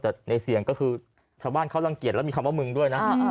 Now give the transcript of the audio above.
แต่ในเสียงก็คือชาวบ้านเขารังเกียจแล้วมีคำว่ามึงด้วยนะ